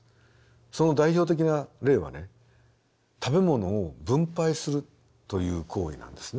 その代表的な例は食べ物を分配するという行為なんですね。